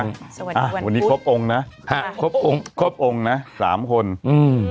สวัสดีวันพุธอ่ะวันนี้ครบองค์นะครบองค์ครบองค์นะสามคนอืม